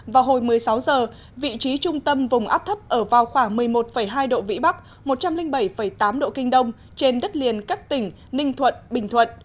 vào hồi một mươi sáu giờ vị trí trung tâm vùng áp thấp ở vào khoảng một mươi một hai độ vĩ bắc một trăm linh bảy tám độ kinh đông trên đất liền các tỉnh ninh thuận bình thuận